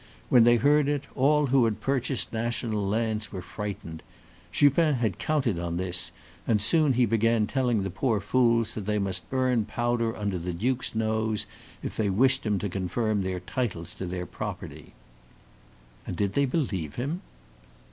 When they heard it, all who had purchased national lands were frightened. Chupin had counted on this, and soon he began telling the poor fools that they must burn powder under the duke's nose if they wished him to confirm their titles to their property." "And did they believe him?"